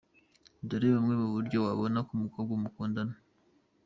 Dore bumwe mu buryo wabona umukobwa mukundana:.